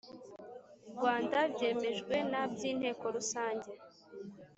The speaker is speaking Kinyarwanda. Rwanda byemejwe na by Inteko Rusange